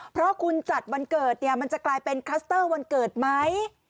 เพราะคุณจัดวันเกิดเนี่ยมันจะกลายเป็นคลัสเตอร์วันเกิดไหม